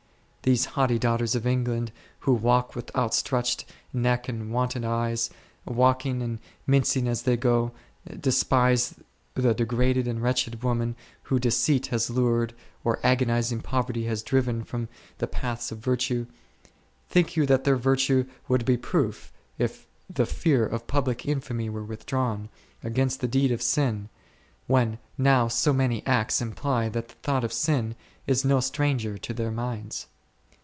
These haughty daughters of England, who walk with outstretched neck and wanton eyes, walking and mincing as they go, despise the degraded and wretched woman whom deceit has lured, or agonizing poverty has driven from the paths of virtue; think you that their virtue would be proof, if the fear of public infamy were withdrawn, against the deed of sin, when now so many acts imply that the thought of sin is no stranger to their minds